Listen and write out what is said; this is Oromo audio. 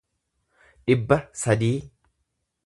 dhibba sadii